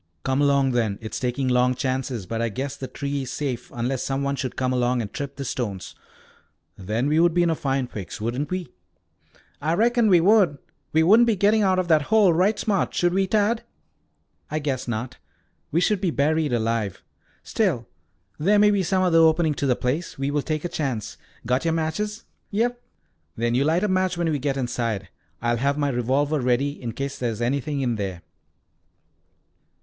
"Come along then. It is taking long chances, but I guess the tree is safe unless some one should come along and trip the stones. Then we would be in a fine fix, shouldn't we?" "I reckon we would. We wouldn't be getting out of that hole, right smart, should we, Tad?" "I guess not. We should be buried alive." "Still, there may be some other opening to the place. We will take a chance. Got your matches?" "Yes." "Then you light a match when we get inside. I'll have my revolver ready in case there is anything in there."